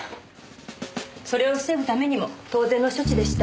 それを防ぐためにも当然の処置でした。